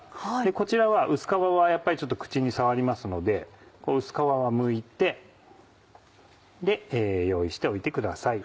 こちらは薄皮は口にさわりますので薄皮はむいて用意しておいてください。